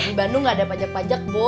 di bandung ga ada pajak pajak bo